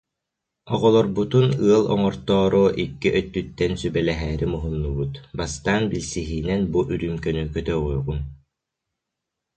Оҕолорбутун ыал оҥортоору икки өттүттэн сүбэлэһээри муһуннубут, бастаан билсиһиинэн бу үрүүмкэни көтөҕүөҕүҥ